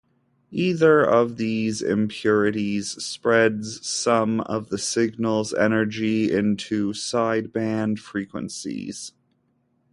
Either of these impurities spreads some of the signal's energy into sideband frequencies.